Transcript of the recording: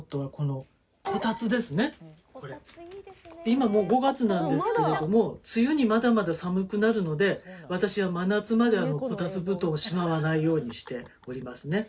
今、もう５月なんですけれども梅雨にまだまだ寒くなるので私は真夏まで、こたつ布団をしまわないようにしておりますね。